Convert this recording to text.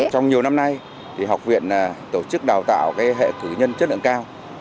trong nhiều năm nay học viện tổ chức đào tạo hệ cử nhân chất lượng cao